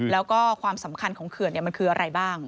แล้วก็ความสำคัญของเขื่อนมันคืออะไรบ้าง